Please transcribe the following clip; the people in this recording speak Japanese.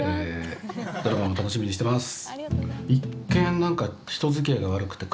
ドラマも楽しみにしています。